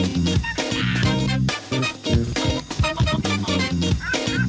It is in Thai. สดกว่าไทยสดกว่าไทยใหม่กว่าเดิม